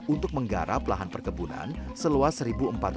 untuk menggarap lahan perkebunan seluas satu empat ratus